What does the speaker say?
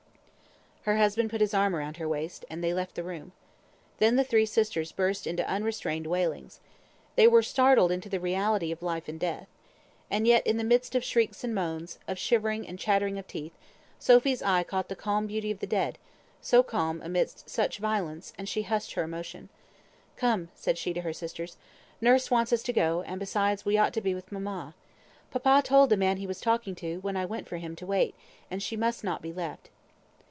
Her husband put his arm round her waist, and they left the room. Then the three sisters burst into unrestrained wailings. They were startled into the reality of life and death. And yet, in the midst of shrieks and moans, of shivering, and chattering of teeth, Sophy's eye caught the calm beauty of the dead; so calm amidst such violence, and she hushed her emotion. "Come," said she to her sisters, "nurse wants us to go; and besides, we ought to be with mamma. Papa told the man he was talking to, when I went for him, to wait, and she must not be left."